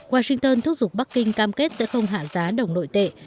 washington thúc giục bắc kinh cam kết sẽ không hạ giá đồng nội tệ